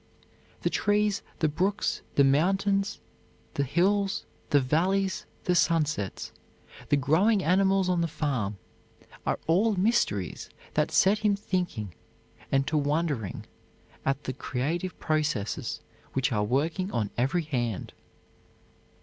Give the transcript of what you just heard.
The trees, the brooks, the mountains, the hills, the valleys, the sunsets, the growing animals on the farm, are all mysteries that set him thinking and to wondering at the creative processes which are working on every hand.